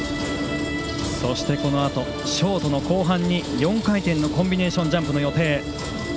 そしてショートの後半に４回転のコンビネーションジャンプの予定。